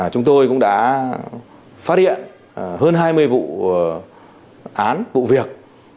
chúng tôi cũng đã phát hiện hơn hai mươi vụ án vụ việc